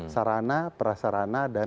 sarana prasarana dan kesiapan